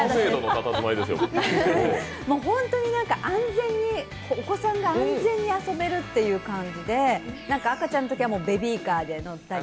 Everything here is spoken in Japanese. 本当にお子さんが安全に遊べるっていう感じで赤ちゃんのときはベビーカーで乗ったり。